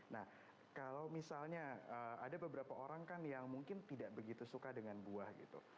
nah kalau misalnya ada beberapa orang kan yang mungkin tidak begitu suka dengan buah gitu